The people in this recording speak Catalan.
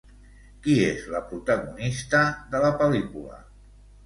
Qui és la protagonista de la pel·lícula?